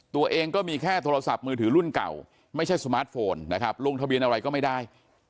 ตัวเองก็มีแค่โทรศัพท์มือถือรุ่นเก่าไม่ใช่สมาร์ทโฟนนะครับลงทะเบียนอะไรก็ไม่ได้